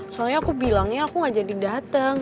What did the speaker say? soalnya aku bilangnya aku gak jadi datang